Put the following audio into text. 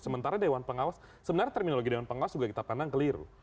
sementara dewan pengawas sebenarnya terminologi dewan pengawas juga kita pandang keliru